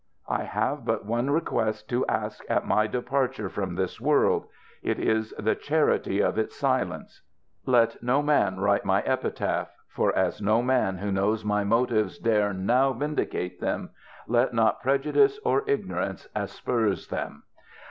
I have but one request to ask at my departure from this world, ŌĆö it is the charity of its silence ! ŌĆö Let no man write my epitaph : for as no man who knows my motives dare now vindicate them, let not prejudice or ignorance asperse them.